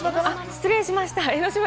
失礼しました。